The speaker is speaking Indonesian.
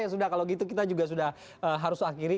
ya sudah kalau gitu kita juga sudah harus akhiri